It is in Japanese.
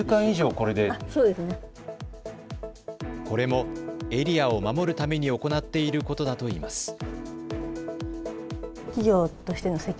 これもエリアを守るために行っていることだといいます。